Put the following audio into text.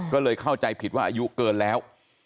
ก็เลยเข้าใจผิดว่าอายุเกินแล้ว